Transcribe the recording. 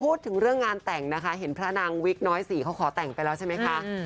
พูดถึงเรื่องงานแต่งนะคะเห็นพระนางวิกน้อยสี่เขาขอแต่งไปแล้วใช่ไหมคะ